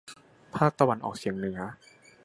ภาคตะวันออกเฉียงเหนือ